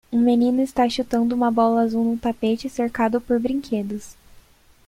Um menino está chutando uma bola azul no tapete cercado por brinquedos.